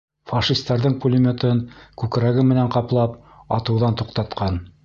— Фашистәрҙең пулеметын, күкрәге менән ҡаплап, атыуҙан туҡтатҡан.